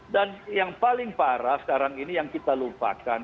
dan yang paling parah sekarang ini yang kita lupakan